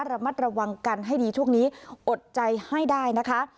ระมัดระวังกันให้ดีช่วงนี้อดใจให้ได้นะคะ